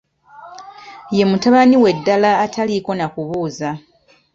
Ye mutabani we ddala ataliiko na kubuuza.